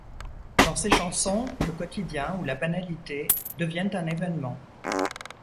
Dans ses chansons, le quotidien ou la banalité deviennent un évènement.